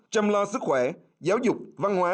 chăm lo sức khỏe giáo dục văn hóa